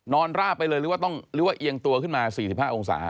นอนลาบไปเลยหรือว่าเอียงตัวขึ้นมา๔๕องศา